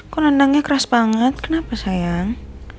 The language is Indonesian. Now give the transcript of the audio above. kok nandangnya keras banget kenapa sayang